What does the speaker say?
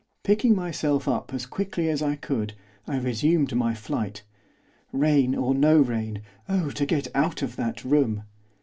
Picking myself up as quickly as I could I resumed my flight, rain or no rain, oh to get out of that room!